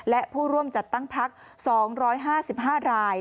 และผู้ร่วมจัดตั้งพัก๒๕๕ราย